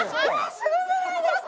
すごくないですか？